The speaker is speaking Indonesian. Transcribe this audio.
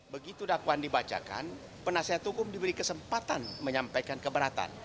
begitu dakwaan dibacakan penasihat hukum diberi kesempatan menyampaikan keberatan